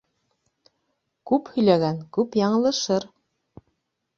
Күп һөйләгән күп яңылышыр.